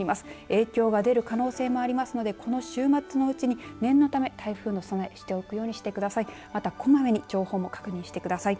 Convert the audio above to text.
影響が出る可能性もありますのでこの週末のうちに念のため台風の備えしておくようにしてください。